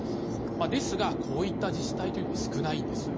ですが、こういった自治体というのは少ないんです。